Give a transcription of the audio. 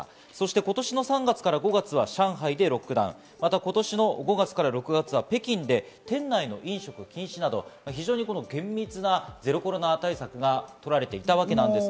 今年３月から５月は上海でロックダウン、また今年の５月から６月は北京で店内の飲食禁止など、厳密なゼロコロナ対策が取られていたわけです。